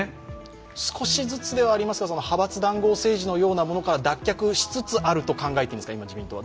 少しずつではありますが、派閥談合政治のようなものから脱却しつつあると考えていいんですか、今、自民党は。